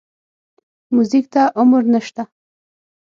موزیک ته عمر نه شته.